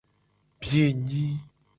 Biye nyi.